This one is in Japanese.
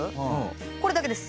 これだけです。